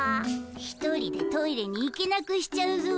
一人でトイレに行けなくしちゃうぞ。